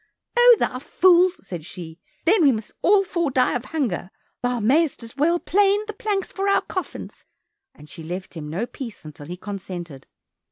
"O, thou fool!" said she, "Then we must all four die of hunger, thou mayest as well plane the planks for our coffins," and she left him no peace until he consented.